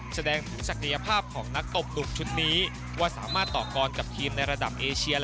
แสดงถึงศักยภาพของนักตบหนุ่มชุดนี้ว่าสามารถต่อกรกับทีมในระดับเอเชีย